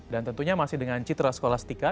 tentunya masih dengan citra sekolah stika